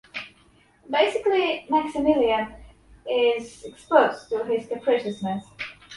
Basically, Maximilian is exposed to her capriciousness.